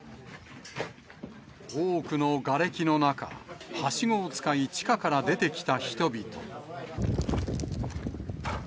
多くのがれきの中、はしごを使い地下から出てきた人々。